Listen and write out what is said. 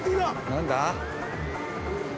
何だ？